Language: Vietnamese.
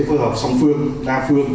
phối hợp song phương đa phương